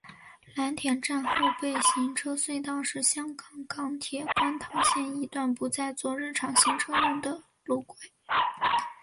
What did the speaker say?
蓝田站后备行车隧道是香港港铁观塘线一段不再作日常行车用的路轨。